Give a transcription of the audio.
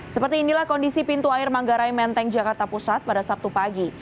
seperti inilah kondisi pintu air manggarai menteng jakarta pusat pada sabtu pagi